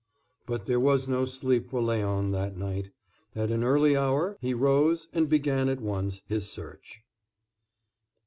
But there was no sleep for Léon that night. At an early hour he rose and began at once his search.